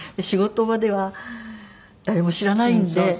仕事場では誰も知らないんで。